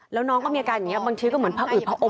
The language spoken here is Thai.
แล้วน้องก็มีอาการอย่างนี้บางทีก็เหมือนพระอืดพระอม